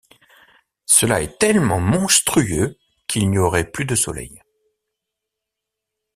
Cela est tellement monstrueux qu’il n’y aurait plus de soleil.